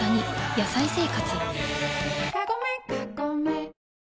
「野菜生活」